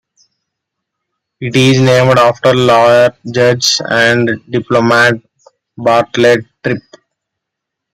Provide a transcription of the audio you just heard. It is named after lawyer, judge, and diplomat Bartlett Tripp.